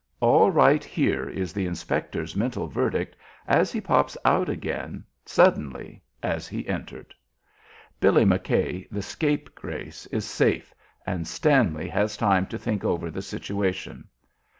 "All right here," is the inspector's mental verdict as he pops out again suddenly as he entered. Billy McKay, the scapegrace, is safe and Stanley has time to think over the situation.